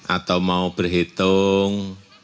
atau mau berhitung